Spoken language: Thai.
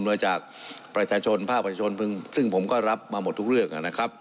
โดยจากประชาชนภาคประชาชนซึ่งผมก็รับมาหมดทุกเรื่องนะครับ